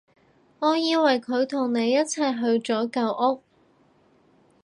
我以為佢同你一齊去咗舊屋